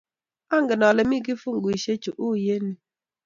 angen ale mi kifunguishe chuu oi eng yu.